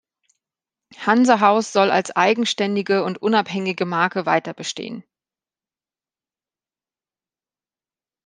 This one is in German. Hanse Haus soll als eigenständige und unabhängige Marke weiterbestehen.